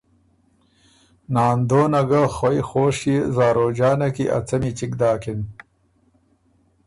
ناندونه ګۀ خوئ خوشيې زاروجانه کی ا څمی چِګ داکِن